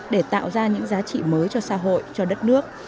để tạo ra những giá trị mới cho xã hội cho đất nước